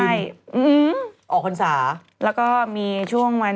แล้วก็มีช่วงวัน